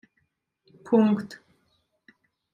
Punkt!